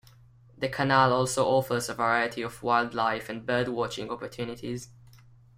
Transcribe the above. The Canal also offers a variety of wildlife and birdwatching opportunities.